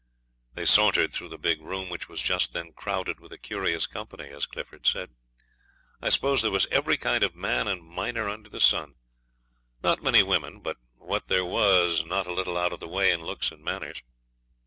They sauntered through the big room, which was just then crowded with a curious company, as Clifford said. I suppose there was every kind of man and miner under the sun. Not many women, but what there was not a little out of the way in looks and manners.